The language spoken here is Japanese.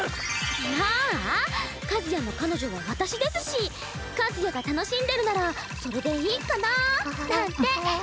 まあ和也の彼女は私ですし和也が楽しんでるならそれでいいかなぁなんて。